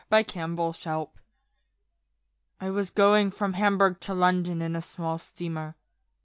ON THE SEA I WAS going from Hamburg to London in a small steamer.